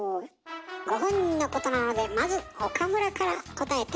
ご本人のことなのでまず岡村から答えて。